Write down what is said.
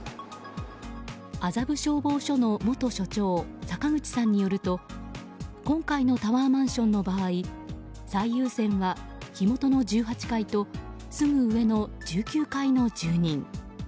麻布消防署の元署長坂口さんによると今回のタワーマンションの場合最優先は火元の１８階とすぐ上の１９階の住人。